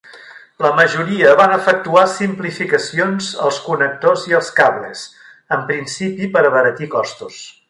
La majoria van efectuar simplificacions als connectors i els cables, en principi per abaratir costos.